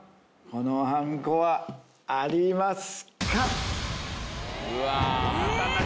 このはんこはありますか？